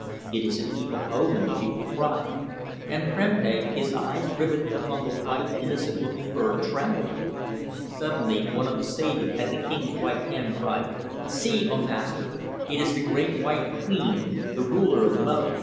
'It is an evil omen!' the people cried, and Prempeh, his eyes rivetted upon the white, innocent looking bird, trembled. Suddenly, one of the sages at the king's right hand cried: 'See, O Master! It is the Great White Queen, the ruler of Mo!